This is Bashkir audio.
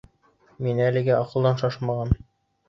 Мин әлегә аҡылдан шашмағам.